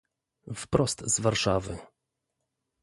"Wprost z Warszawy!"